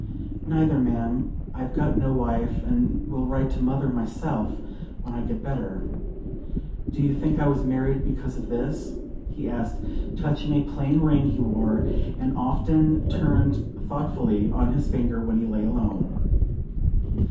"Neither, ma'am; I've got no wife, and will write to mother myself when I get better. Did you think I was married because of this?" he asked, touching a plain ring he wore, and often turned thoughtfully on his finger when he lay alone.